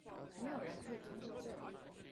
沒有人可以經過這裡！